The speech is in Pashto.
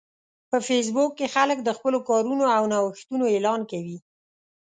په فېسبوک کې خلک د خپلو کارونو او نوښتونو اعلان کوي